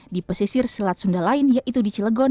di pesisir selat sunda lain yaitu di cilegon